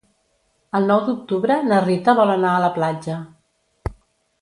El nou d'octubre na Rita vol anar a la platja.